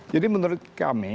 jadi menurut kami